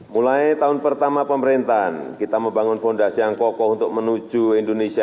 mulai tahun pertama pemerintahan kita membangun fondasi yang kokoh untuk menuju indonesia